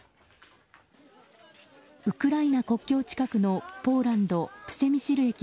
ウクライナ国境近くのポーランド・プシェミシル